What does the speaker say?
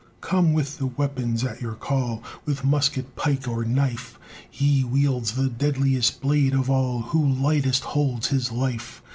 Come with the weapons at your call With musket, pike, or knife; He wields the deadliest blade of all Who lightest holds his life.